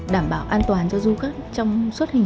đảm bảo an toàn cho du khách trong suốt hình